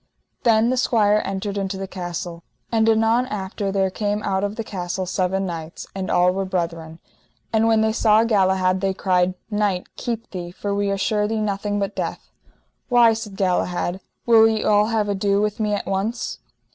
Then the squire entered into the castle. And anon after there came out of the castle seven knights, and all were brethren. And when they saw Galahad they cried: Knight, keep thee, for we assure thee nothing but death. Why, said Galahad, will ye all have ado with me at once?